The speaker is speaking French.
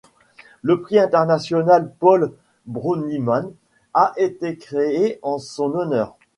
Le Prix International Paul Brönnimann a été créé en son honneur.